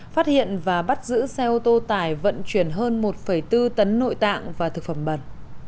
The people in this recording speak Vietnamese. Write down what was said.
phát hiện và bắt giữ xe ô tô tải vận chuyển hơn một bốn tấn nội tạng và thực phẩm bẩn